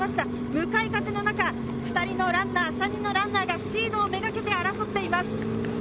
向かい風の中、２人のランナー、３人のランナーが、シードをめがけて争っています。